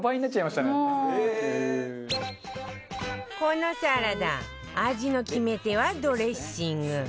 このサラダ味の決め手はドレッシング